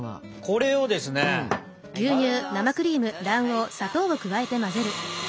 これをですね混ぜます。